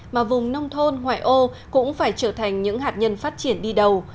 mà vùng nông thôn ngoại ô cũng phải trở thành những hạt nhân phát triển đi đầu